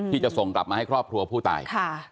ที่จะส่งกลับมาให้ครอบครัวผู้ตาย